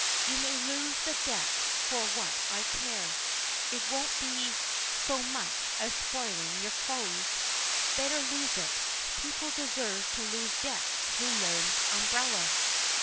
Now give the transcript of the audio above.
You may lose the debt for what I care it won't be so much as spoiling your clothes better lose it: people deserve to lose debts who lend umbrellas!